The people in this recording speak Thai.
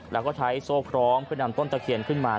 แล้วก็ใช้โซ่พร้อมเพื่อนำต้นตะเคียนขึ้นมา